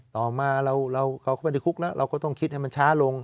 ต่อมาเขาก็ไม่ได้คุกแล้วเราก็ต้องคิดให้มันช้าลง